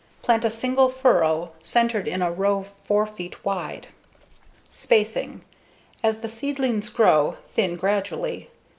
Plant a single furrow centered in a row 4 feet wide. _Spacing: _As the seedlings grow, thin gradually.